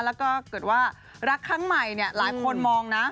แล้วก็เกิดว่ารักครั้งใหม่เนี่ยหลายคนมองนะ